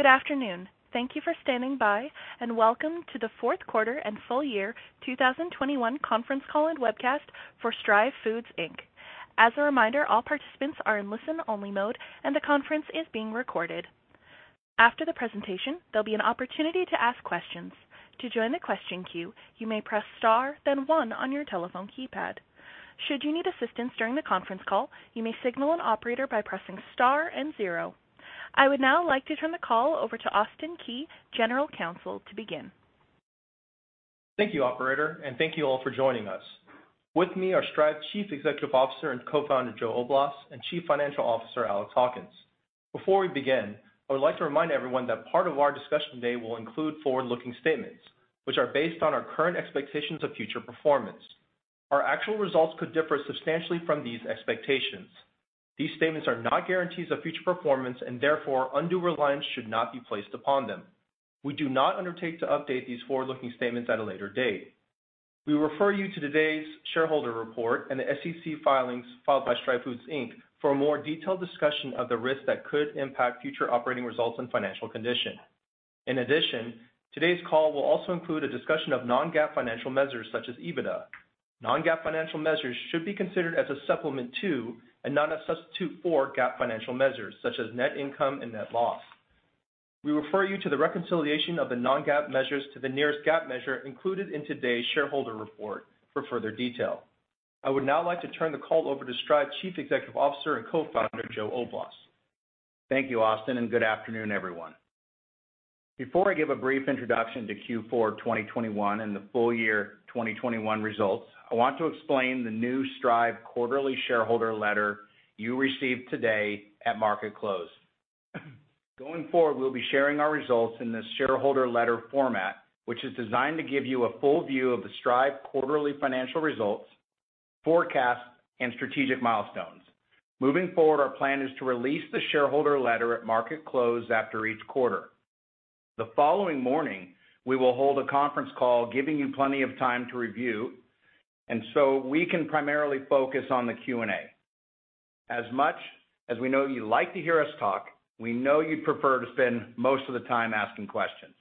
Good afternoon. Thank you for standing by, and welcome to the fourth quarter and full year 2021 conference call and webcast for Stryve Foods, Inc. As a reminder, all participants are in listen-only mode, and the conference is being recorded. After the presentation, there'll be an opportunity to ask questions. To join the question queue, you may press star, then one on your telephone keypad. Should you need assistance during the conference call, you may signal an operator by pressing star and zero. I would now like to turn the call over to Austin Ke, General Counsel, to begin. Thank you, operator, and thank you all for joining us. With me are Stryve's Chief Executive Officer and Co-founder, Joe Oblas, and Chief Financial Officer, Alex Hawkins. Before we begin, I would like to remind everyone that part of our discussion today will include forward-looking statements, which are based on our current expectations of future performance. Our actual results could differ substantially from these expectations. These statements are not guarantees of future performance, and therefore, undue reliance should not be placed upon them. We do not undertake to update these forward-looking statements at a later date. We refer you to today's shareholder report and the SEC filings filed by Stryve Foods, Inc. for a more detailed discussion of the risks that could impact future operating results and financial condition. In addition, today's call will also include a discussion of non-GAAP financial measures such as EBITDA. Non-GAAP financial measures should be considered as a supplement to, and not a substitute for, GAAP financial measures such as net income and net loss. We refer you to the reconciliation of the non-GAAP measures to the nearest GAAP measure included in today's shareholder report for further detail. I would now like to turn the call over to Stryve's Chief Executive Officer and Co-founder, Joe Oblas. Thank you, Austin, and good afternoon, everyone. Before I give a brief introduction to Q4 2021 and the full year 2021 results, I want to explain the new Stryve quarterly shareholder letter you received today at market close. Going forward, we'll be sharing our results in this shareholder letter format, which is designed to give you a full view of the Stryve quarterly financial results, forecasts, and strategic milestones. Moving forward, our plan is to release the shareholder letter at market close after each quarter. The following morning, we will hold a conference call giving you plenty of time to review, and so we can primarily focus on the Q&A. As much as we know you like to hear us talk, we know you'd prefer to spend most of the time asking questions.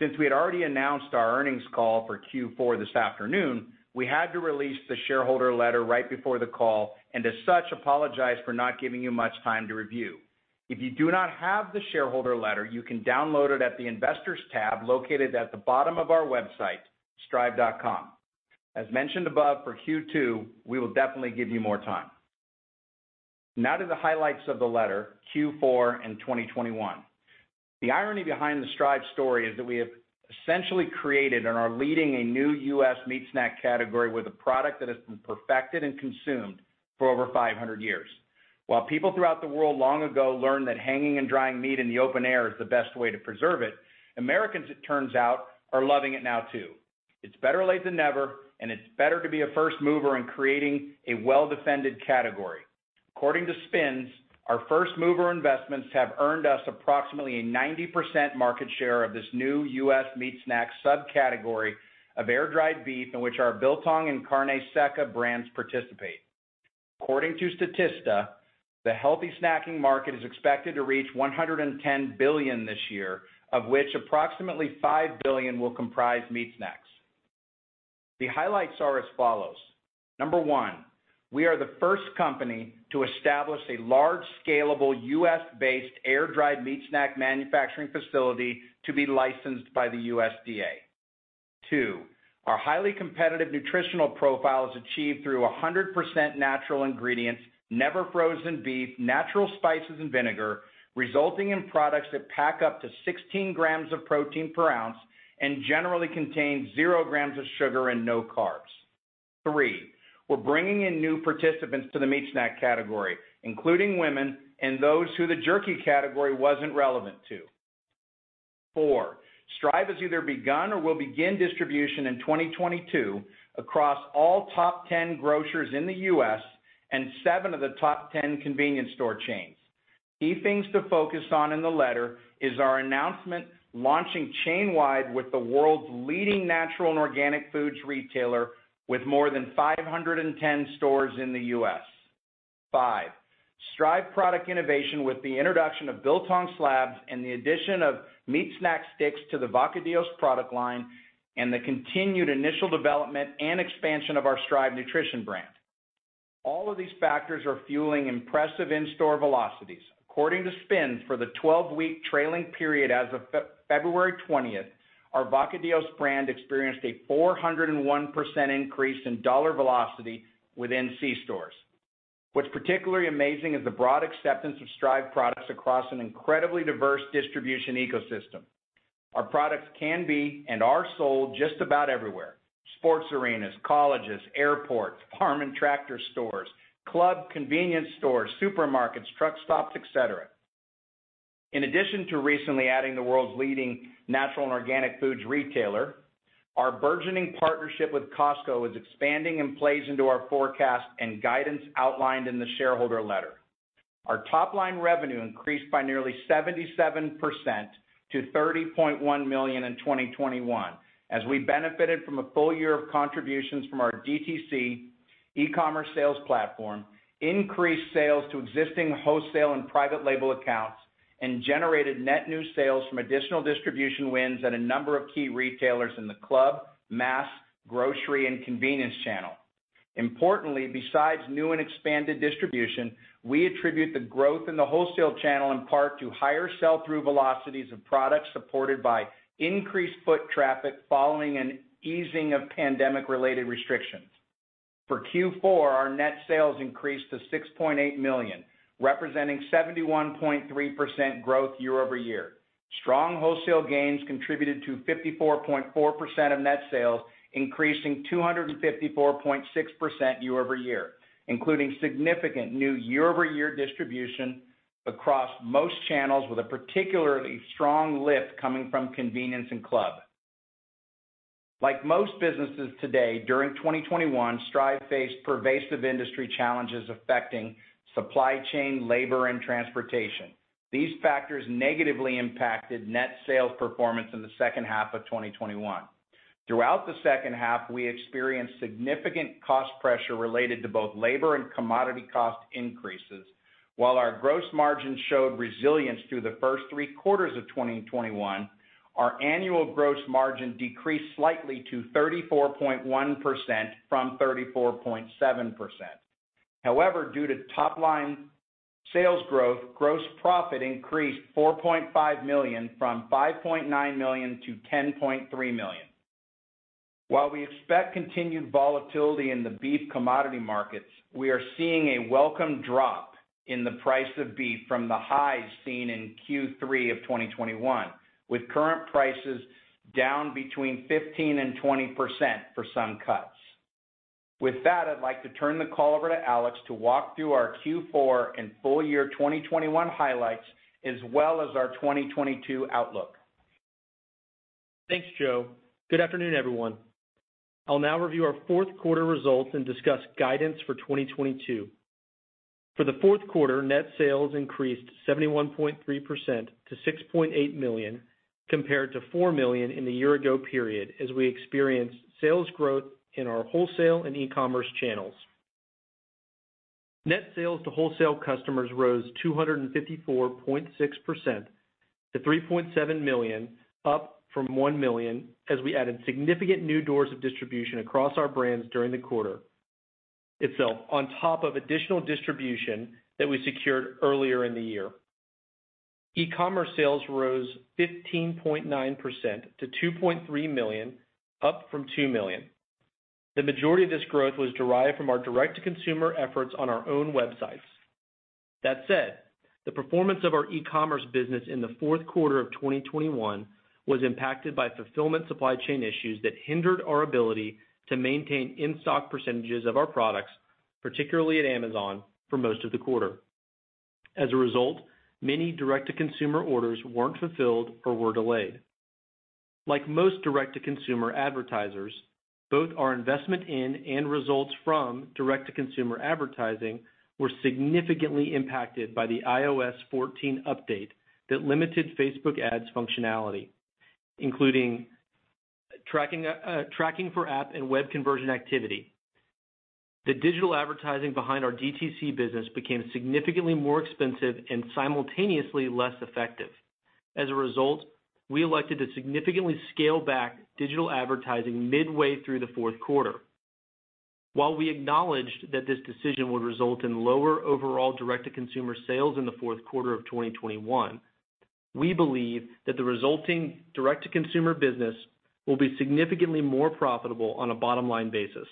Since we had already announced our earnings call for Q4 this afternoon, we had to release the shareholder letter right before the call, and as such, apologize for not giving you much time to review. If you do not have the shareholder letter, you can download it at the Investors tab located at the bottom of our website, stryve.com. As mentioned above, for Q2, we will definitely give you more time. Now to the highlights of the letter, Q4 and 2021. The irony behind the Stryve story is that we have essentially created and are leading a new U.S. meat snack category with a product that has been perfected and consumed for over 500 years. While people throughout the world long ago learned that hanging and drying meat in the open air is the best way to preserve it, Americans, it turns out, are loving it now too. It's better late than never, and it's better to be a first mover in creating a well-defended category. According to SPINS, our first-mover investments have earned us approximately a 90% market share of this new U.S. meat snack subcategory of air-dried beef in which our Biltong and Carne Seca brands participate. According to Statista, the healthy snacking market is expected to reach $110 billion this year, of which approximately $5 billion will comprise meat snacks. The highlights are as follows. Number one, we are the first company to establish a large, scalable, U.S.-based air-dried meat snack manufacturing facility to be licensed by the USDA. Two, our highly competitive nutritional profile is achieved through 100% natural ingredients, never frozen beef, natural spices and vinegar, resulting in products that pack up to 16 grams of protein per ounce and generally contain 0 grams of sugar and no carbs. Three, we're bringing in new participants to the meat snack category, including women and those who the jerky category wasn't relevant to. Four, Stryve has either begun or will begin distribution in 2022 across all top 10 grocers in the U.S. and seven of the top 10 convenience store chains. Key things to focus on in the letter is our announcement launching chain-wide with the world's leading natural and organic foods retailer with more than 510 stores in the U.S. Five, Stryve product innovation with the introduction of Biltong slabs and the addition of meat snack sticks to the Vacadillos product line and the continued initial development and expansion of our Stryve Nutrition brand. All of these factors are fueling impressive in-store velocities. According to SPINS, for the 12-week trailing period as of February twentieth, our Vacadillos brand experienced a 401% increase in dollar velocity within C stores. What's particularly amazing is the broad acceptance of Stryve products across an incredibly diverse distribution ecosystem. Our products can be and are sold just about everywhere. Sports arenas, colleges, airports, farm and tractor stores, club convenience stores, supermarkets, truck stops, et cetera. In addition to recently adding the world's leading natural and organic foods retailer, our burgeoning partnership with Costco is expanding and plays into our forecast and guidance outlined in the shareholder letter. Our top-line revenue increased by nearly 77% to $30.1 million in 2021 as we benefited from a full year of contributions from our DTC e-commerce sales platform, increased sales to existing wholesale and private label accounts, and generated net new sales from additional distribution wins at a number of key retailers in the club, mass, grocery, and convenience channel. Importantly, besides new and expanded distribution, we attribute the growth in the wholesale channel in part to higher sell-through velocities of products supported by increased foot traffic following an easing of pandemic-related restrictions. For Q4, our net sales increased to $6.8 million, representing 71.3% growth year-over-year. Strong wholesale gains contributed to 54.4% of net sales, increasing 254.6% year-over-year, including significant new year-over-year distribution across most channels with a particularly strong lift coming from convenience and club. Like most businesses today, during 2021, Stryve faced pervasive industry challenges affecting supply chain, labor, and transportation. These factors negatively impacted net sales performance in the second half of 2021. Throughout the second half, we experienced significant cost pressure related to both labor and commodity cost increases. While our gross margin showed resilience through the first three quarters of 2021, our annual gross margin decreased slightly to 34.1% from 34.7%. However, due to top line sales growth, gross profit increased $4.5 million from $5.9 million to $10.3 million. While we expect continued volatility in the beef commodity markets, we are seeing a welcome drop in the price of beef from the highs seen in Q3 of 2021, with current prices down between 15% and 20% for some cuts. With that, I'd like to turn the call over to Alex to walk through our Q4 and full year 2021 highlights as well as our 2022 outlook. Thanks, Joe. Good afternoon, everyone. I'll now review our fourth quarter results and discuss guidance for 2022. For the fourth quarter, net sales increased 71.3% to $6.8 million, compared to $4 million in the year ago period as we experienced sales growth in our wholesale and e-commerce channels. Net sales to wholesale customers rose 254.6% to $3.7 million, up from $1 million as we added significant new doors of distribution across our brands during the quarter itself on top of additional distribution that we secured earlier in the year. E-commerce sales rose 15.9% to $2.3 million, up from $2 million. The majority of this growth was derived from our direct-to-consumer efforts on our own websites. That said, the performance of our e-commerce business in the fourth quarter of 2021 was impacted by fulfillment supply chain issues that hindered our ability to maintain in-stock percentages of our products, particularly at Amazon, for most of the quarter. As a result, many direct-to-consumer orders weren't fulfilled or were delayed. Like most direct-to-consumer advertisers, both our investment in and results from direct-to-consumer advertising were significantly impacted by the iOS 14 update that limited Facebook Ads functionality, including tracking for app and web conversion activity. The digital advertising behind our DTC business became significantly more expensive and simultaneously less effective. As a result, we elected to significantly scale back digital advertising midway through the fourth quarter. While we acknowledged that this decision would result in lower overall direct-to-consumer sales in the fourth quarter of 2021, we believe that the resulting direct-to-consumer business will be significantly more profitable on a bottom-line basis.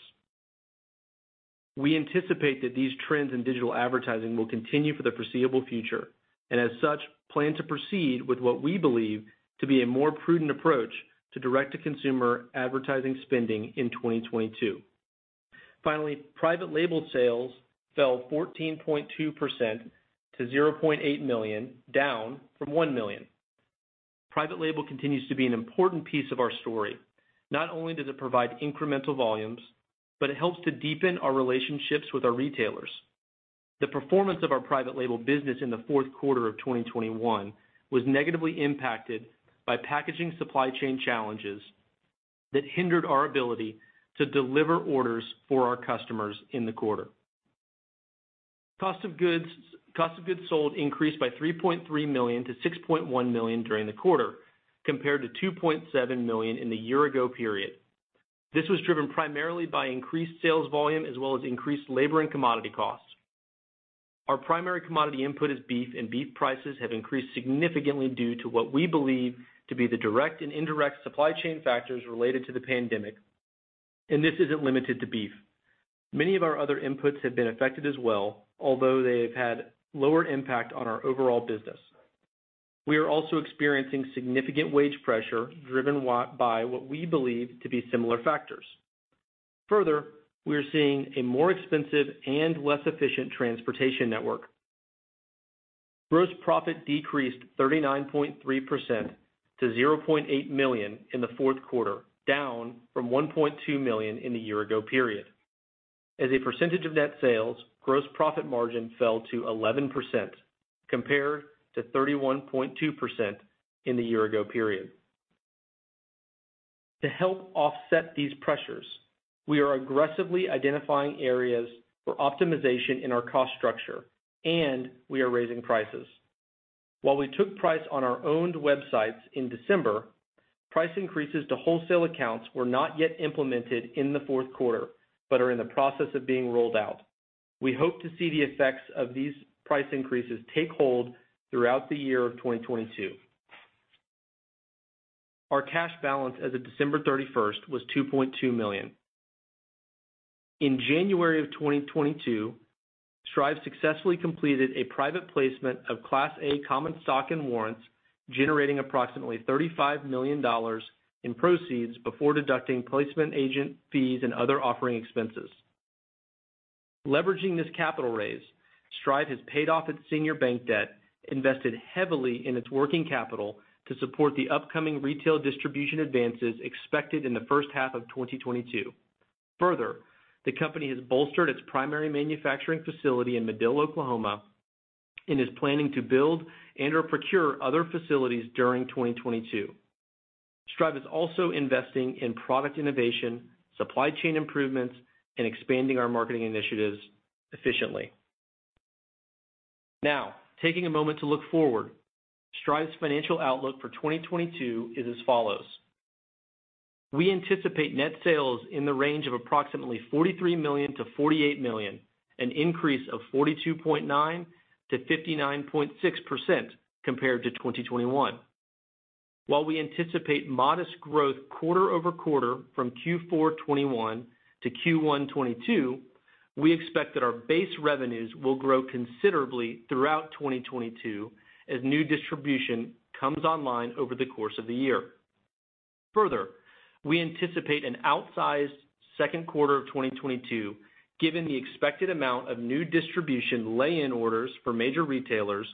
We anticipate that these trends in digital advertising will continue for the foreseeable future, and as such, plan to proceed with what we believe to be a more prudent approach to direct-to-consumer advertising spending in 2022. Finally, private label sales fell 14.2% to $0.8 million, down from $1 million. Private label continues to be an important piece of our story. Not only does it provide incremental volumes, but it helps to deepen our relationships with our retailers. The performance of our private label business in the fourth quarter of 2021 was negatively impacted by packaging supply chain challenges that hindered our ability to deliver orders for our customers in the quarter. Cost of goods sold increased by $3.3 million to $6.1 million during the quarter, compared to $2.7 million in the year ago period. This was driven primarily by increased sales volume as well as increased labor and commodity costs. Our primary commodity input is beef, and beef prices have increased significantly due to what we believe to be the direct and indirect supply chain factors related to the pandemic, and this isn't limited to beef. Many of our other inputs have been affected as well, although they have had lower impact on our overall business. We are also experiencing significant wage pressure driven by what we believe to be similar factors. Further, we are seeing a more expensive and less efficient transportation network. Gross profit decreased 39.3% to $0.8 million in the fourth quarter, down from $1.2 million in the year ago period. As a percentage of net sales, gross profit margin fell to 11% compared to 31.2% in the year ago period. To help offset these pressures, we are aggressively identifying areas for optimization in our cost structure, and we are raising prices. While we took price on our owned websites in December, price increases to wholesale accounts were not yet implemented in the fourth quarter, but are in the process of being rolled out. We hope to see the effects of these price increases take hold throughout the year of 2022. Our cash balance as of December 31st was $2.2 million. In January of 2022, Stryve successfully completed a private placement of Class A common stock and warrants, generating approximately $35 million in proceeds before deducting placement agent fees and other offering expenses. Leveraging this capital raise, Stryve has paid off its senior bank debt, invested heavily in its working capital to support the upcoming retail distribution advances expected in the first half of 2022. Further, the company has bolstered its primary manufacturing facility in Madill, Oklahoma, and is planning to build and/or procure other facilities during 2022. Stryve is also investing in product innovation, supply chain improvements, and expanding our marketing initiatives efficiently. Now, taking a moment to look forward, Stryve's financial outlook for 2022 is as follows. We anticipate net sales in the range of approximately $43 million-$48 million, an increase of 42.9%-59.6% compared to 2021. While we anticipate modest growth quarter-over-quarter from Q4 2021 to Q1 2022, we expect that our base revenues will grow considerably throughout 2022 as new distribution comes online over the course of the year. Further, we anticipate an outsized second quarter of 2022, given the expected amount of new distribution lay-in orders for major retailers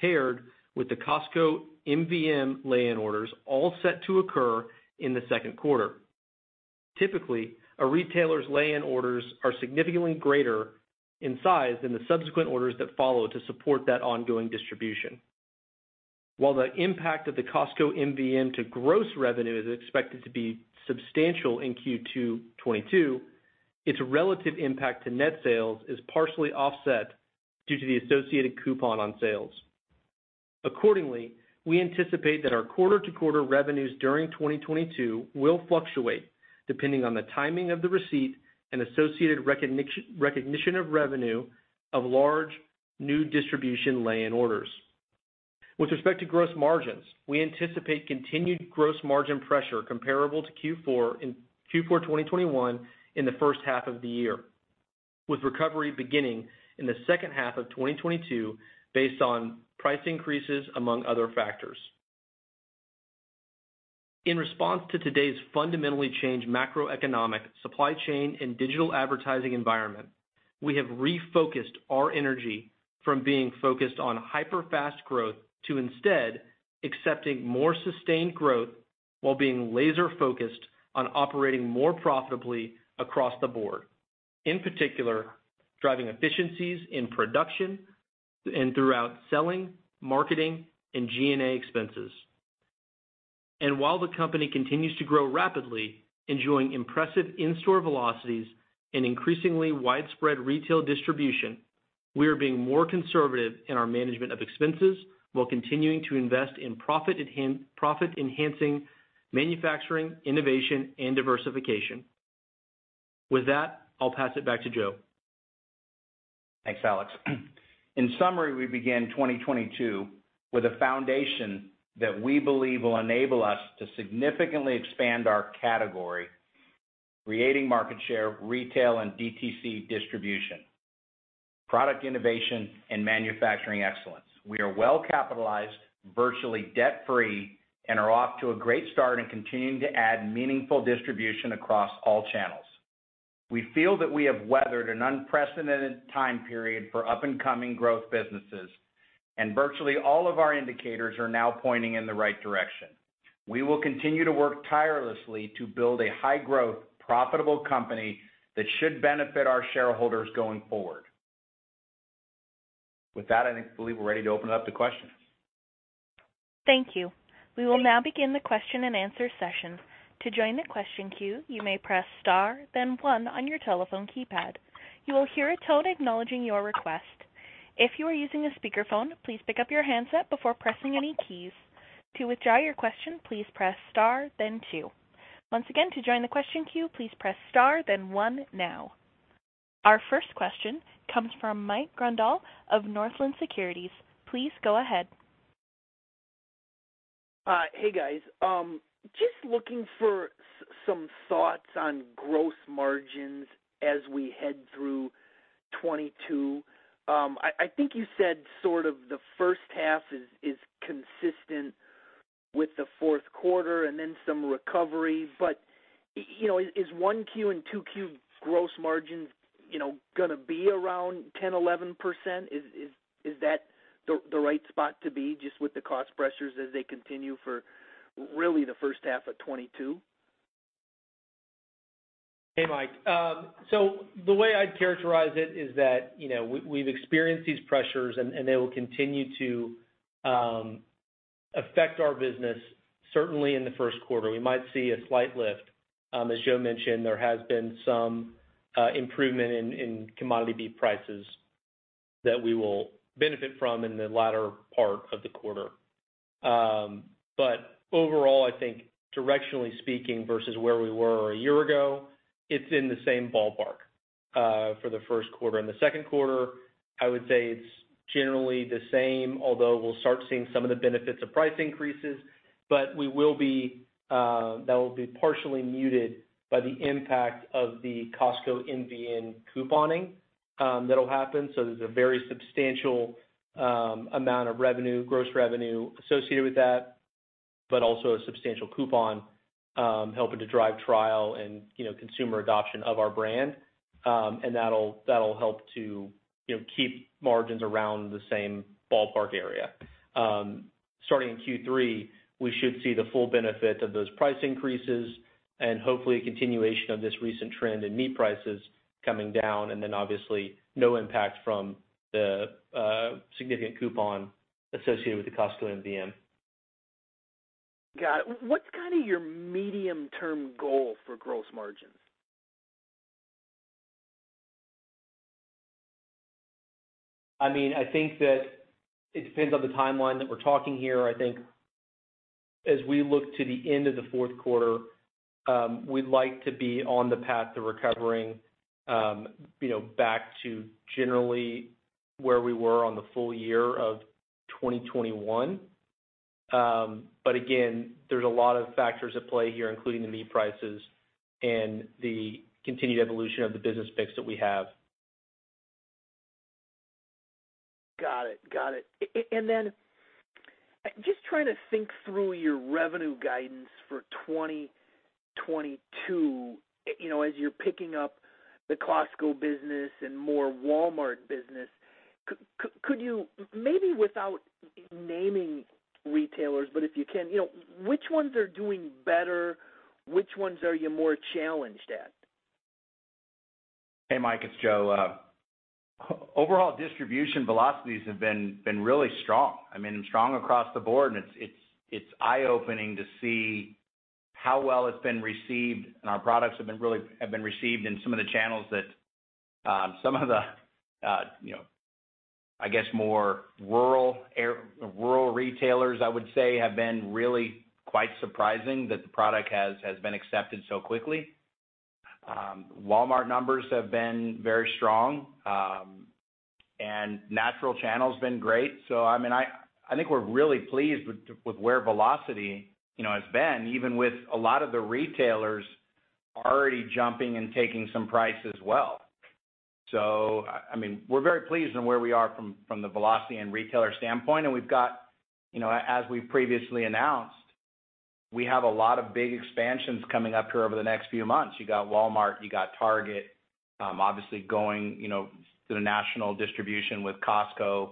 paired with the Costco MVM lay-in orders all set to occur in the second quarter. Typically, a retailer's lay-in orders are significantly greater in size than the subsequent orders that follow to support that ongoing distribution. While the impact of the Costco MVM to gross revenue is expected to be substantial in Q2 2022, its relative impact to net sales is partially offset due to the associated coupon on sales. Accordingly, we anticipate that our quarter-to-quarter revenues during 2022 will fluctuate depending on the timing of the receipt and associated recognition of revenue of large new distribution lay-in orders. With respect to gross margins, we anticipate continued gross margin pressure comparable to Q4 2021 in the first half of the year, with recovery beginning in the second half of 2022 based on price increases, among other factors. In response to today's fundamentally changed macroeconomic, supply chain, and digital advertising environment, we have refocused our energy from being focused on hyper-fast growth to instead accepting more sustained growth while being laser-focused on operating more profitably across the board, in particular, driving efficiencies in production and throughout selling, marketing, and G&A expenses. While the company continues to grow rapidly, enjoying impressive in-store velocities and increasingly widespread retail distribution, we are being more conservative in our management of expenses while continuing to invest in profit-enhancing manufacturing, innovation, and diversification. With that, I'll pass it back to Joe. Thanks, Alex. In summary, we begin 2022 with a foundation that we believe will enable us to significantly expand our category, creating market share, retail, and DTC distribution, product innovation, and manufacturing excellence. We are well-capitalized, virtually debt-free, and are off to a great start in continuing to add meaningful distribution across all channels. We feel that we have weathered an unprecedented time period for up-and-coming growth businesses, and virtually all of our indicators are now pointing in the right direction. We will continue to work tirelessly to build a high-growth, profitable company that should benefit our shareholders going forward. With that, I believe we're ready to open it up to questions. Thank you. We will now begin the question-and-answer session. To join the question queue, you may press star, then one on your telephone keypad. You will hear a tone acknowledging your request. If you are using a speakerphone, please pick up your handset before pressing any keys. To withdraw your question, please press star, then two. Once again, to join the question queue, please press star, then one now. Our first question comes from Mike Grondahl of Northland Securities. Please go ahead. Hey, guys. Just looking for some thoughts on gross margins as we head through 2022. I think you said sort of the first half is consistent with the fourth quarter and then some recovery. You know, is that the right spot to be just with the cost pressures as they continue for really the first half of 2022? Hey, Mike. So the way I'd characterize it is that, you know, we've experienced these pressures and they will continue to affect our business certainly in the first quarter. We might see a slight lift. As Joe mentioned, there has been some improvement in commodity beef prices that we will benefit from in the latter part of the quarter. But overall, I think directionally speaking versus where we were a year ago, it's in the same ballpark for the first quarter. In the second quarter, I would say it's generally the same, although we'll start seeing some of the benefits of price increases, but that will be partially muted by the impact of the Costco MVM couponing that'll happen. There's a very substantial amount of revenue, gross revenue associated with that, but also a substantial coupon helping to drive trial and, you know, consumer adoption of our brand. That'll help to, you know, keep margins around the same ballpark area. Starting in Q3, we should see the full benefit of those price increases and hopefully a continuation of this recent trend in meat prices coming down, and then obviously no impact from the significant coupon associated with the Costco MVM. Got it. What's kind of your medium-term goal for gross margin? I mean, I think that it depends on the timeline that we're talking here. I think as we look to the end of the fourth quarter, we'd like to be on the path to recovering, you know, back to generally where we were on the full year of 2021. Again, there's a lot of factors at play here, including the meat prices and the continued evolution of the business mix that we have. Got it. Just trying to think through your revenue guidance for 2022, you know, as you're picking up the Costco business and more Walmart business, could you, maybe without naming retailers, but if you can, you know, which ones are doing better? Which ones are you more challenged at? Hey, Mike, it's Joe. Overall distribution velocities have been really strong, I mean, and strong across the board, and it's eye-opening to see how well it's been received and our products have been really well received in some of the channels that, you know, some of the more rural retailers, I would say. It's been really quite surprising that the product has been accepted so quickly. Walmart numbers have been very strong, and natural channel's been great. I mean, I think we're really pleased with where velocity, you know, has been, even with a lot of the retailers already jumping and taking some price as well. I mean, we're very pleased on where we are from the velocity and retailer standpoint, and we've got, you know, as we've previously announced, we have a lot of big expansions coming up here over the next few months. You got Walmart, you got Target, obviously going, you know, to the national distribution with Costco,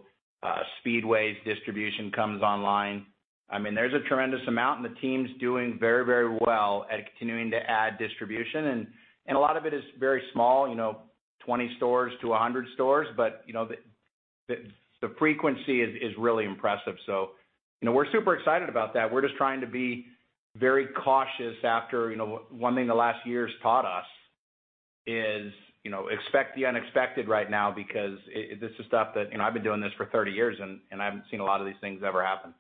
Speedway's distribution comes online. I mean, there's a tremendous amount, and the team's doing very, very well at continuing to add distribution. A lot of it is very small, you know, 20 stores to 100 stores. You know, the frequency is really impressive. You know, we're super excited about that. We're just trying to be very cautious after, you know, one thing the last year's taught us is, you know, expect the unexpected right now because this is stuff that, you know, I've been doing this for 30 years and I haven't seen a lot of these things ever happen.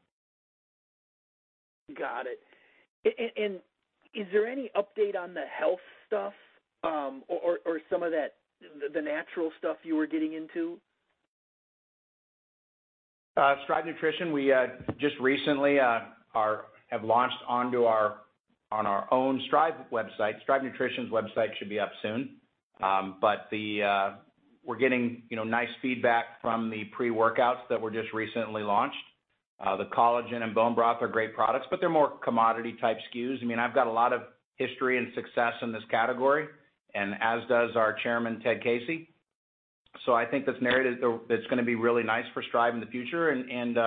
Got it. Is there any update on the health stuff, or some of that, the natural stuff you were getting into? Stryve Nutrition, we just recently have launched onto our own Stryve website. Stryve Nutrition's website should be up soon. But we're getting, you know, nice feedback from the pre-workouts that were just recently launched. The collagen and bone broth are great products, but they're more commodity type SKUs. I mean, I've got a lot of history and success in this category, and as does our chairman, Ted Casey. I think this narrative though, it's gonna be really nice for Stryve in the future and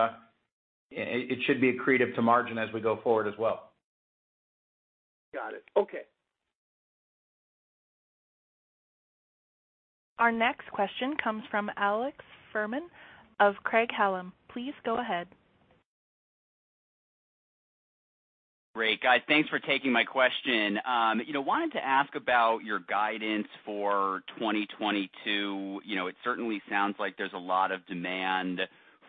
it should be accretive to margin as we go forward as well. Got it. Okay. Our next question comes from Alex Fuhrman of Craig-Hallum. Please go ahead. Great. Guys, thanks for taking my question. You know, wanted to ask about your guidance for 2022. You know, it certainly sounds like there's a lot of demand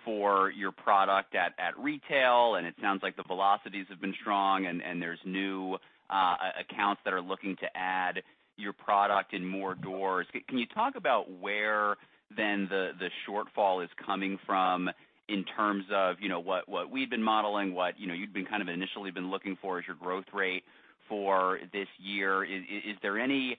for your product at retail, and it sounds like the velocities have been strong and there's new accounts that are looking to add your product in more doors. Can you talk about where then the shortfall is coming from in terms of what we've been modeling, what you'd been kind of initially looking for as your growth rate for this year? Is there any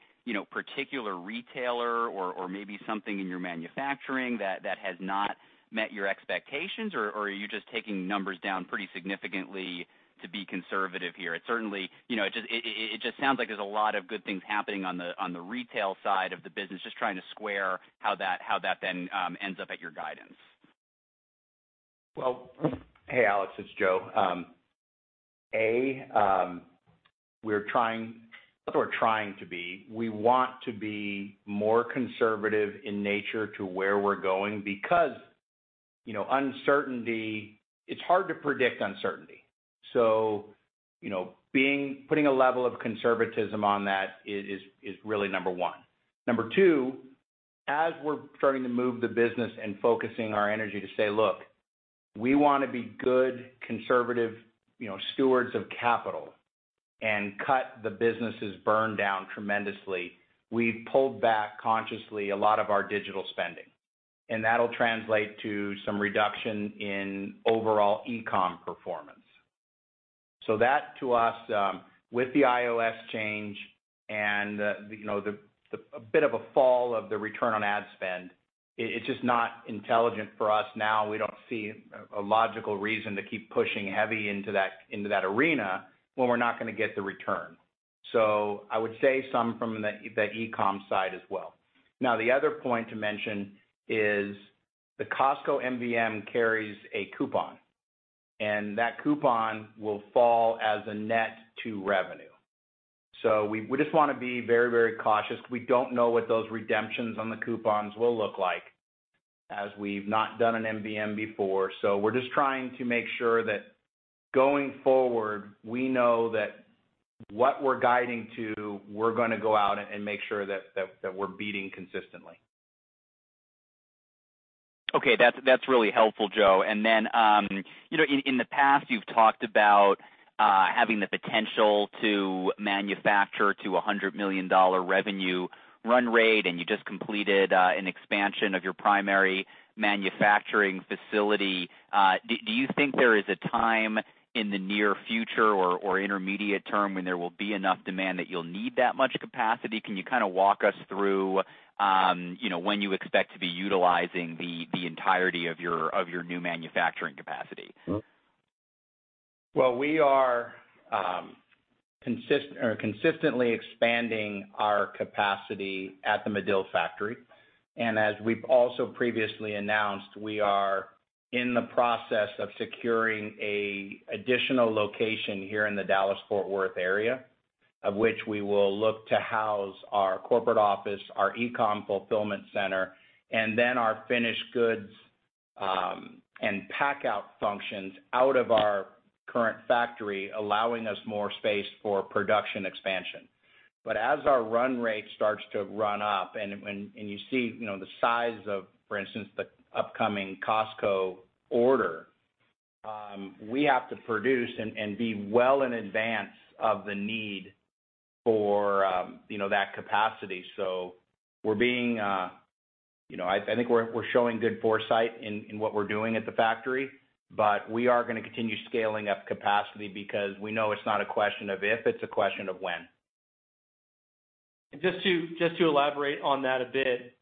particular retailer or maybe something in your manufacturing that has not met your expectations? Or are you just taking numbers down pretty significantly to be conservative here? It certainly, you know, it just sounds like there's a lot of good things happening on the retail side of the business. Just trying to square how that then ends up at your guidance. Well, hey, Alex, it's Joe. Not that we're trying to be, we want to be more conservative in nature to where we're going because, you know, uncertainty, it's hard to predict uncertainty. You know, putting a level of conservatism on that is really number one. Number two, as we're starting to move the business and focusing our energy to say, "Look, we wanna be good, conservative, you know, stewards of capital and cut the business's burn down tremendously," we pulled back consciously a lot of our digital spending, and that'll translate to some reduction in overall e-com performance. That to us, with the iOS change and, you know, the bit of a fall of the return on ad spend, it's just not intelligent for us now. We don't see a logical reason to keep pushing heavy into that arena when we're not gonna get the return. I would say some from the e-com side as well. Now, the other point to mention is the Costco MVM carries a coupon, and that coupon will fall as a net to revenue. We just wanna be very, very cautious. We don't know what those redemptions on the coupons will look like as we've not done an MVM before. We're just trying to make sure that going forward, we know that what we're guiding to, we're gonna go out and make sure that we're beating consistently. Okay, that's really helpful, Joe. You know, in the past, you've talked about having the potential to manufacture to a $100 million revenue run rate, and you just completed an expansion of your primary manufacturing facility. Do you think there is a time in the near future or intermediate term when there will be enough demand that you'll need that much capacity? Can you kinda walk us through, you know, when you expect to be utilizing the entirety of your new manufacturing capacity? Well, we are consistently expanding our capacity at the Madill factory. As we've also previously announced, we are in the process of securing an additional location here in the Dallas-Fort Worth area, of which we will look to house our corporate office, our e-com fulfillment center, and then our finished goods and pack out functions out of our current factory, allowing us more space for production expansion. As our run rate starts to run up and you see the size of, for instance, the upcoming Costco order, we have to produce and be well in advance of the need for that capacity. We're being, you know. I think we're showing good foresight in what we're doing at the factory, but we are gonna continue scaling up capacity because we know it's not a question of if, it's a question of when. Just to elaborate on that a bit.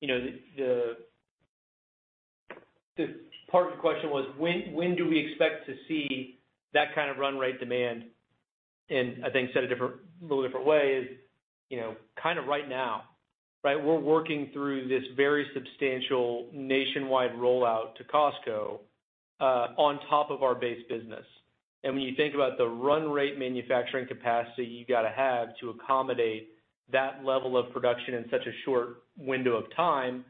You know, the part of the question was when do we expect to see that kind of run rate demand, and I think said a little different way is, you know, kind of right now, right? We're working through this very substantial nationwide rollout to Costco, on top of our base business. When you think about the run rate manufacturing capacity you gotta have to accommodate that level of production in such a short window of time,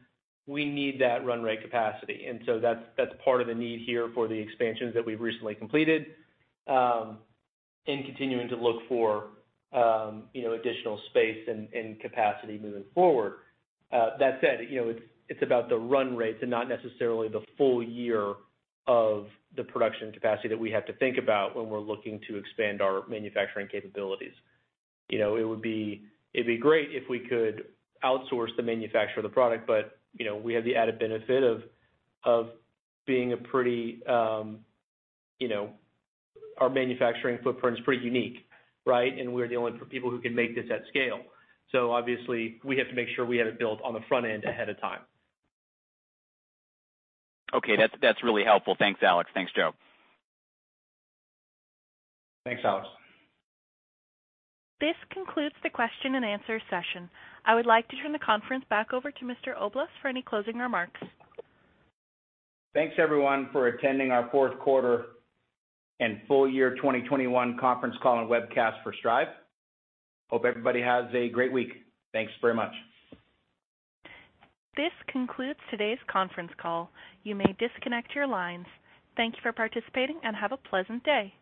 we need that run rate capacity. That's part of the need here for the expansions that we've recently completed, and continuing to look for, you know, additional space and capacity moving forward. That said, you know, it's about the run rates and not necessarily the full year of the production capacity that we have to think about when we're looking to expand our manufacturing capabilities. You know, It'd be great if we could outsource the manufacture of the product, but, you know, we have the added benefit of being pretty unique, right? Our manufacturing footprint is pretty unique. We're the only people who can make this at scale. Obviously we have to make sure we have it built on the front end ahead of time. Okay. That's really helpful. Thanks, Alex. Thanks, Joe. Thanks, Alex. This concludes the question and answer session. I would like to turn the conference back over to Mr. Oblas for any closing remarks. Thanks, everyone, for attending our fourth quarter and full year 2021 conference call and webcast for Stryve. Hope everybody has a great week. Thanks very much. This concludes today's conference call. You may disconnect your lines. Thank you for participating and have a pleasant day.